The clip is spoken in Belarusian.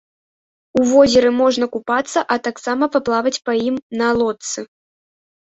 У возеры можна купацца, а таксама паплаваць па ім на лодцы.